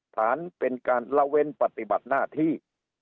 ฐานเป็นการละเว้นปฏิบัติหน้าที่